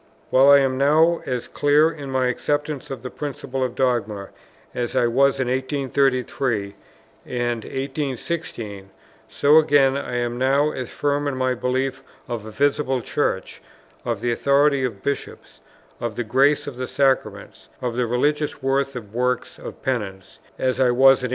While I am now as clear in my acceptance of the principle of dogma, as I was in 1833 and 1816, so again I am now as firm in my belief of a visible Church, of the authority of Bishops, of the grace of the sacraments, of the religious worth of works of penance, as I was in 1833.